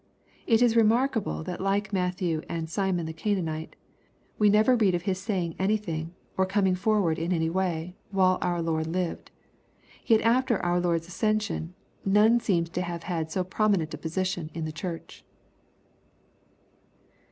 It is remarkable that like Matthew and Simon the Canaanite, we never read of his saying anything, or coming forward in any way, while our Lord lived. Yet, after our Lord's ascension, none seems to have had so prominent a position in the Church.